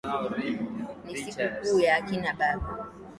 ni siku kuu ya akina baba.